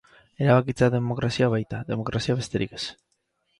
Erabakitzea demokrazia baita, demokrazia besterik ez.